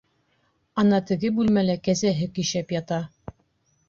Ана теге бүлмәлә кәзәһе көйшәп ята.